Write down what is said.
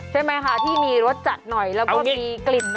ใช่ไหมคะที่มีรสจัดหน่อยแล้วก็มีกลิ่น